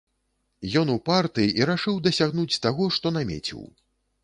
Ён упарты і рашыў дасягнуць таго, што намеціў.